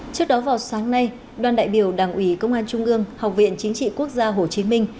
trước đó vào sáng nay đoàn đại biểu đảng ủy công an trung ương học viện chính trị quốc gia hồ chí minh